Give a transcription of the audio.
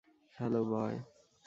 Hello, বয়।